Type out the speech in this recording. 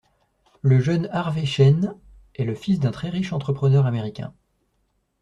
Le jeune Harvey Cheyne est le fils d'un très riche entrepreneur américain.